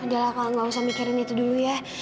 udah lah kak gak usah mikirin itu dulu ya